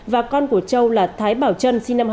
và con của châu là thái bảo trân sinh năm hai nghìn một mươi năm